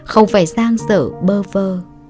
không phải giang sở bơ vơ